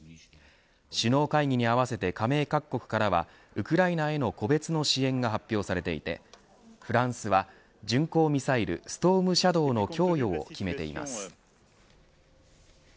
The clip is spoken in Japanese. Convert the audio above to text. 首脳会議に合わせて加盟各国からは、ウクライナへの個別の支援が発表されていてフランスは巡航ミサイルストームシャドーの供与を決めています。